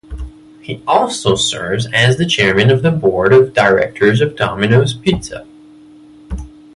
He also serves as the chairman of the board of directors of Domino's Pizza.